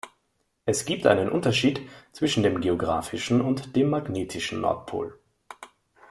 Es gibt einen Unterschied zwischen dem geografischen und dem magnetischen Nordpol.